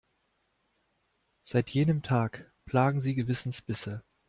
Seit jenem Tag plagen sie Gewissensbisse.